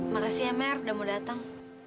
makasih ya mer udah mau datang